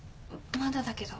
まだだけど。